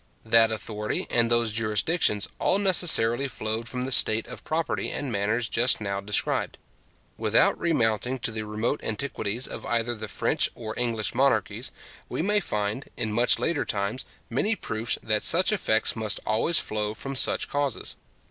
That authority, and those jurisdictions, all necessarily flowed from the state of property and manners just now described. Without remounting to the remote antiquities of either the French or English monarchies, we may find, in much later times, many proofs that such effects must always flow from such causes.